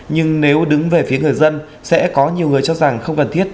nhưng nếu đứng về phía người dân sẽ có nhiều người cho rằng không cần thiết